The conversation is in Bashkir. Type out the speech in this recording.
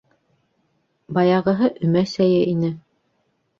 Баяғыһы өмә сәйе ине.